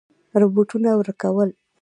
رپوټونه ورکول.